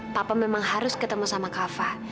papa memang harus ketemu sama kava